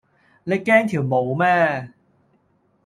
你驚條毛咩